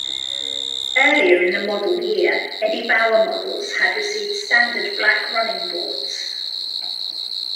Earlier in the model year, Eddie Bauer models had received standard black running boards.